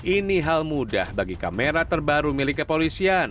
ini hal mudah bagi kamera pengawas